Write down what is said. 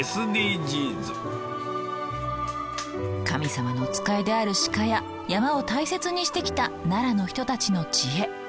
神様のお使いである鹿や山を大切にしてきた奈良の人たちの知恵